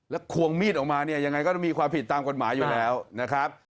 แล้วควงมีดออกมาเนี่ยยังไงก็ต้องมีความผิดตามกฎหมายอยู่แล้วนะครับ